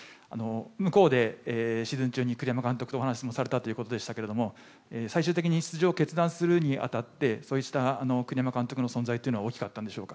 向こうでシーズン中に栗山監督とお話しされたということでしたが最終的に出場を決断するに当たってそうした栗山監督の存在は大きかったんでしょうか。